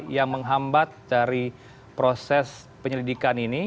yang menghambat dari proses penyelidikan ini